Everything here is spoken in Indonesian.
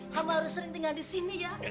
kamu harus sering tinggal disini ya